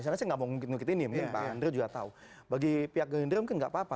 saya nggak mau ngikutin ngikutin ini mungkin pak ander juga tahu bagi pihak gendera mungkin nggak apa apa